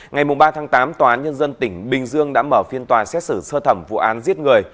ngày ba tháng tám tòa án nhân dân tỉnh bình dương đã mở phiên tòa xét xử sơ thẩm vụ án giết người